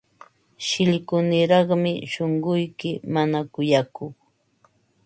Shillkuniraqmi shunquyki, mana kuyakuq.